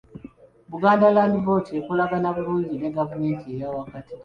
Buganda Land Board ekolagana bulungi ne gavumenti eya wakati.